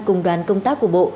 cùng đoàn công tác của bộ